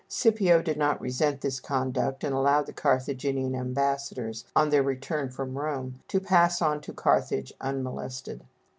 Scipio did not resent this conduct and allowed the Carthaginian ambassadors, on their return from Rome, to pass on to Carthage unmolested.